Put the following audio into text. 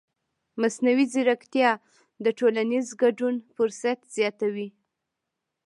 مصنوعي ځیرکتیا د ټولنیز ګډون فرصت زیاتوي.